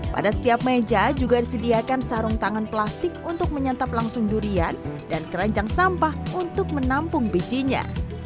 pada setiap meja juga disediakan sarung tangan plastik untuk menyantap langsung durian dan keranjang sampah untuk menampung bijinya